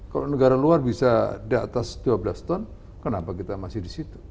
kalau negara luar bisa di atas dua belas ton kenapa kita masih di situ